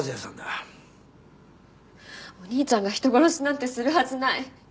お兄ちゃんが人殺しなんてするはずない。